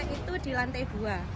itu di lantai dua